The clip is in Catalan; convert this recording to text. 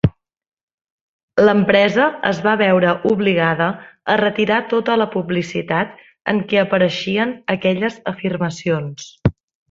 L'empresa es va veure obligada a retirar tota la publicitat en què apareixien aquelles afirmacions.